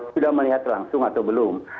sudah melihat langsung atau belum